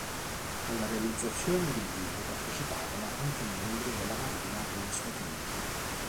Alla realizzazione del video parteciparono anche membri della Marina degli Stati Uniti.